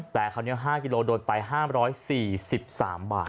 แต่คราวนี้๕กิโลโดนไป๕๔๓บาท